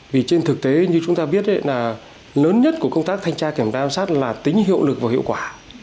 vì trên thực tế như chúng ta biết là lớn nhất của công tác thanh tra kiểm tra giám sát là tính hiệu lực và hiệu quả